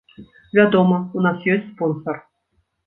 Вядома, у нас ёсць спонсар.